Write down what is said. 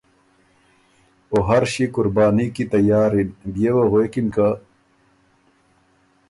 او هر ݭيې قرباني کی تیارِن۔ بيې وه غوېکِن که :ـ